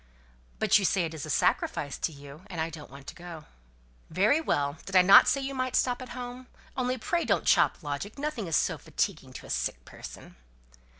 "But you say it is a sacrifice to you, and I don't want to go." "Very well; did I not say you might stop at home? only pray don't chop logic; nothing is so fatiguing to a sick person."